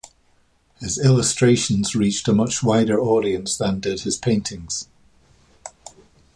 His illustrations reached a much wider audience than did his paintings.